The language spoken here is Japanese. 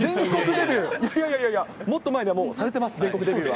いやいやいや、もっと前にはされてます、全国デビューは。